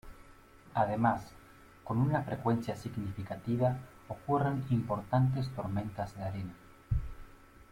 Además, con una frecuencia significativa ocurren importantes tormentas de arena.